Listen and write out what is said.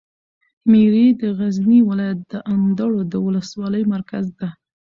میری د غزني ولایت د اندړو د ولسوالي مرکز ده.